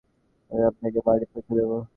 আমি আপনাকে বাড়ি পৌঁছে দেবো।